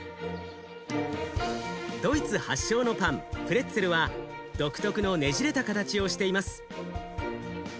ドイツ発祥のパンプレッツェルは独特のねじれた形をしています。